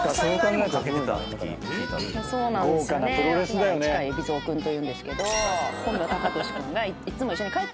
「市川海老蔵君というんですけど本名寶世君がいつも一緒に」